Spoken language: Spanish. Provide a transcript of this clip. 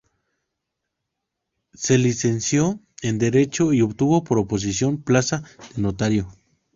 Se licenció en Derecho y obtuvo por oposición plaza de notario.